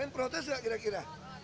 protes nggak kira kira